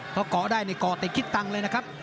เขาก่อได้ในก่อแต่คิดตังเลยนะครับ